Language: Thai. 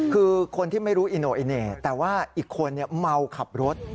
คือคนที่ไม่รู้อิโนอิเน่แต่ว่าอีกคนเมาขับรถ